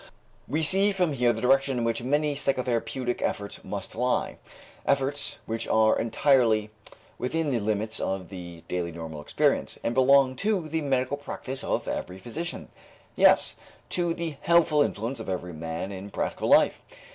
We see from here the direction in which many psychotherapeutic efforts must lie, efforts which are entirely within the limits of the daily normal experience, and belong to the medical practice of every physician, yes, to the helpful influence of every man in practical life.